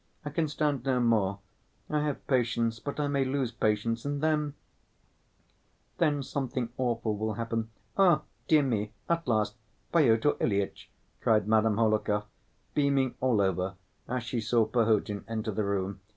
I can stand no more. I have patience; but I may lose patience, and then ... then something awful will happen. Ah, dear me! At last, Pyotr Ilyitch!" cried Madame Hohlakov, beaming all over as she saw Perhotin enter the room.